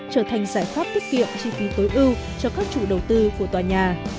trở thành giải pháp tiết kiệm chi phí tối ưu cho các chủ đầu tư của tòa nhà